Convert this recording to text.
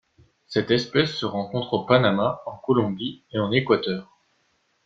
Cette espèce se rencontre au Panama, en Colombie et en Équateur.